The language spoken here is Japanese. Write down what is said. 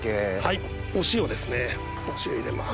お塩ですねお塩入れます。